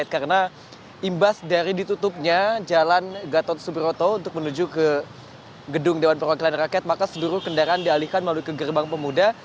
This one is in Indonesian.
karena imbas dari ditutupnya jalan gatot subiroto untuk menuju ke gedung dpr maka sederuh kendaraan dialihkan melalui ke gerbang pemuda